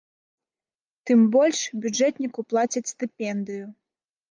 Тым больш, бюджэтніку плацяць стыпендыю.